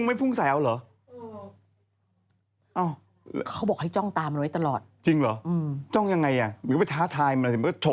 ไม่รู้ของพีมเขาพูดมาอืมเออ